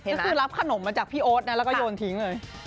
ก็คือรับขนมมาจากพี่โอ๊ตนะแล้วก็โยนทิ้งเลย